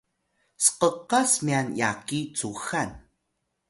sqqas myan yaki cuxan